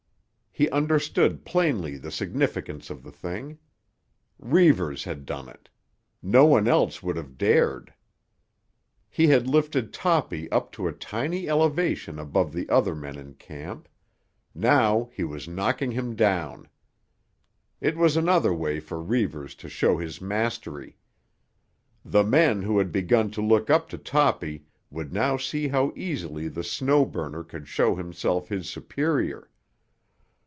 He understood plainly the significance of the thing. Reivers had done it; no one else would have dared. He had lifted Toppy up to a tiny elevation above the other men in camp; now he was knocking him down. It was another way for Reivers to show his mastery. The men who had begun to look up to Toppy would now see how easily the Snow Burner could show himself his superior.